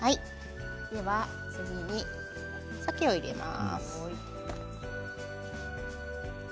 次に、さけを入れます。